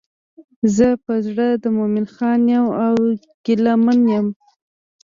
زه په زړه د مومن خان یم او ګیله منه یم.